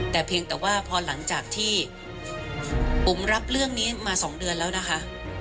แต่เพียงแต่ว่าพอหลังจากที่บุ๋มรับเรื่องนี้มา๒เดือนแล้วนะคะ